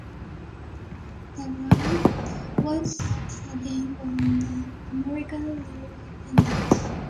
The White Sox again won the American League pennant.